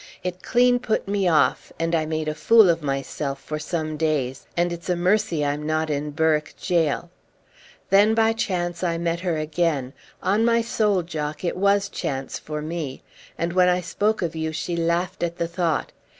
It clean put me off, and I made a fool of myself for some days, and it's a mercy I'm not in Berwick gaol. Then by chance I met her again on my soul, Jock, it was chance for me and when I spoke of you she laughed at the thought.